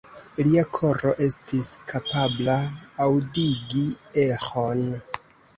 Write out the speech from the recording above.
Lia koro estis kapabla aŭdigi eĥon.